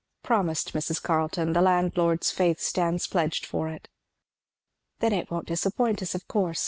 "Promised, Mrs. Carleton. The landlord's faith stands pledged for it." "Then it won't disappoint us, of course.